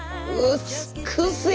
美しい！